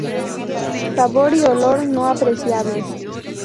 Sabor y olor no apreciables.